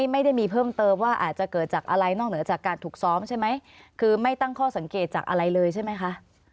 ไม่ได้มีเพิ่มเติมว่าอาจจะเกิดจากอะไรนอกเหนือจากการถูกซ้อมใช่ไหมคือไม่ตั้งข้อสังเกตจากอะไรเลยใช่ไหมคะ